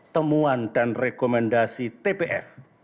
temuan dan rekomendasi tpf